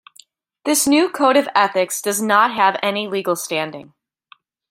This new code of ethics does not have any legal standing.